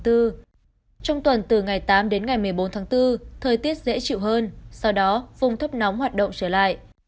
trong tuần từ ngày tám đến ngày một mươi bốn tháng bốn thời tiết dễ chịu hơn sau đó vùng thấp nóng hoạt động trở lại